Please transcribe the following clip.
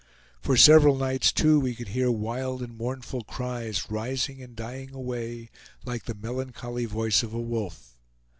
For several nights, too, we could hear wild and mournful cries, rising and dying away like the melancholy voice of a wolf.